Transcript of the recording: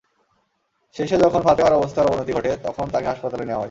শেষে যখন ফাতেমার অবস্থার অবনতি ঘটে তখন তাঁকে হাসপাতালে নেওয়া হয়।